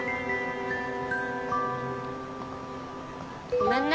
ごめんね。